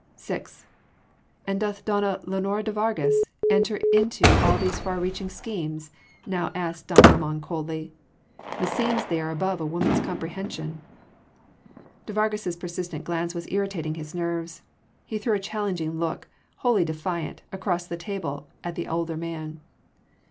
VI "And doth donna Lenora de Vargas enter into all these far reaching schemes?" now asked don Ramon coldly. "Meseems, they are above a woman’s comprehension." De Vargas’ persistent glance was irritating his nerves; he threw a challenging look wholly defiant across the table at the older man.